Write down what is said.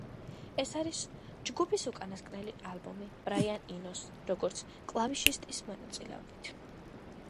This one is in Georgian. ეს არის ჯგუფის უკანასკნელი ალბომი ბრაიან ინოს, როგორც კლავიშისტის მონაწილეობით.